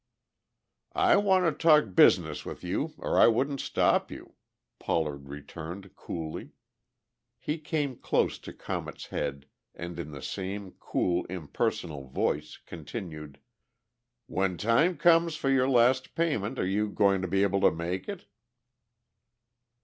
"I want to talk business with you or I wouldn't stop you," Pollard returned coolly. He came close to Comet's head and in the same, cool, impersonal voice continued. "When time comes for your last payment are you going to be able to make it?"